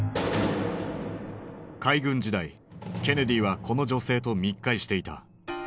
海軍時代ケネディはこの女性と密会していた。